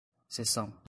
seção